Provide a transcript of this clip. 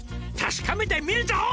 「確かめてみるぞ」